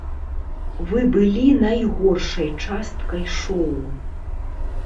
Вы былі найгоршай часткай шоу.